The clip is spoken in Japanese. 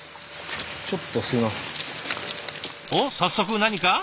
おっ早速何か？